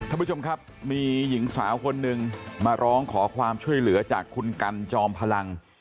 ท่านผู้ชมครับมีหญิงสาวคนหนึ่งมาร้องขอความช่วยเหลือจากคุณกันจอมพลัง